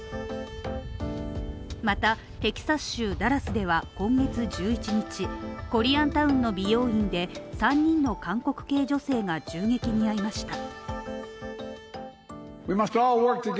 また、テキサス州ダラスでは今月１１日コリアンタウンの美容院で３人の韓国系女性が銃撃に遭いました。